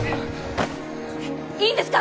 いいんですか？